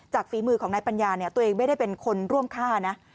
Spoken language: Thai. ฝีมือของนายปัญญาเนี่ยตัวเองไม่ได้เป็นคนร่วมฆ่านะ